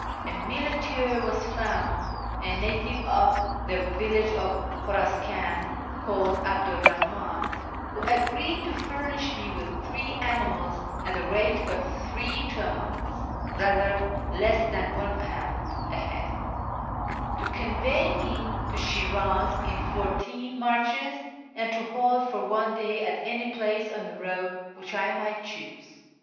A muleteer was found, a native of the village of Kliuraskan, called 'Abdu 'r liahim, who agreed to furnish me witli three animals at the rate of three tuvidns (rather less than £1) a head, to convey me to Shi'raz in four teen marches, and to halt for one day at any place on the road which I might choose.